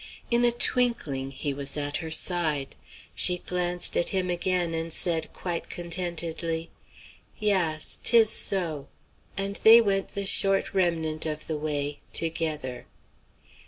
In a twinkling he was at her side. She glanced at him again and said quite contentedly: "Yass; 'tis so," and they went the short remnant of the way together.